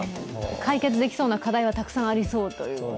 解決できそうな課題はたくさんあるということで。